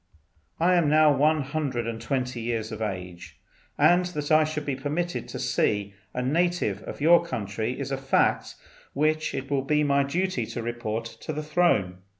I am now one hundred and twenty years of age, and that I should be permitted to see a native of your country is a fact which it will be my duty to report to the Throne.